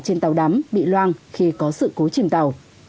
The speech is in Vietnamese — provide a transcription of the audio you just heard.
trên tàu đắm bị loang khi có sự cố chìm tàu